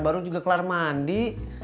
baru juga kelar mandi